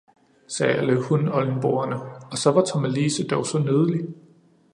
sagde alle hun-oldenborrerne, og så var Tommelise dog så nydelig.